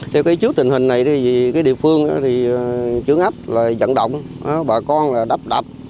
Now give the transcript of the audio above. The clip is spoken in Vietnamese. theo cái chút tình hình này thì cái địa phương thì trướng ấp là giận động bà con là đập đập